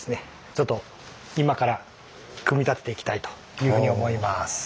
ちょっと今から組み立てていきたいというふうに思います。